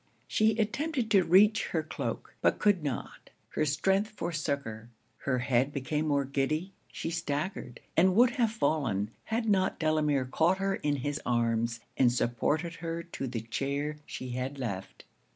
She attempted to reach her cloak, but could not; her strength forsook her; her head became more giddy; she staggered, and would have fallen, had not Delamere caught her in his arms, and supported her to the chair she had left.